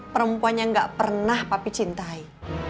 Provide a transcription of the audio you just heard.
perempuan yang gak pernah papi cintai